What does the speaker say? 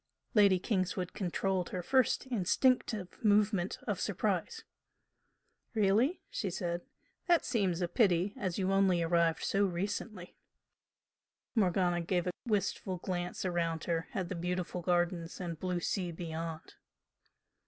Lady Kingswood controlled her first instinctive movement of surprise. "Really?" she said "That seems a pity as you only arrived so recently " Morgana gave a wistful glance round her at the beautiful gardens and blue sea beyond.